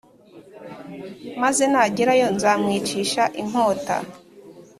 maze nagerayo nzamwicishe inkota.’»